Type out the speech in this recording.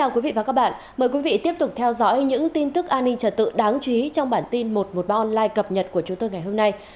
chào mừng quý vị đến với bản tin một trăm một mươi ba online cập nhật của chúng tôi ngày hôm nay